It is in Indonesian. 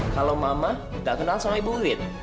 kalau mama gak kenal sama ibu wit